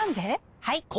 はい！